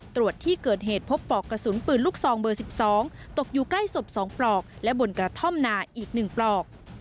ตรวจที่เกิดเหตุพบปลอกกระสุนปืนลูกซองเบอร์๑๒ตกอยู่ใกล้ศพ๒ปลอกและบนกระท่อมนาอีก๑ปลอก